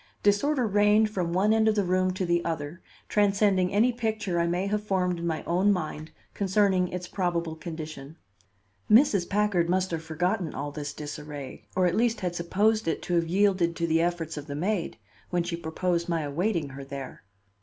Disorder reigned from one end of the room to the other, transcending any picture I may have formed in my own mind concerning its probable condition. Mrs. Packard must have forgotten all this disarray, or at least had supposed it to have yielded to the efforts of the maid, when she proposed my awaiting her there.